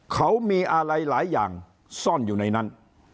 เขามีอะไรหลายอย่างซ่อนอยู่ในนั้น